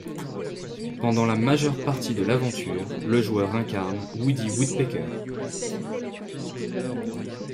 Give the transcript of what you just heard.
Pendant la majeure partie de l'aventure, le joueur incarne Woody Woodpecker.